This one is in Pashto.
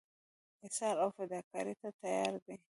ایثار او فداکارۍ ته تیار دي.